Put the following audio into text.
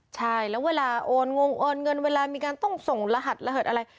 ใช่แล้วเวลาโอนงงโอนเงินเวลามีการต้องส่งรหัสระเหิดอะไร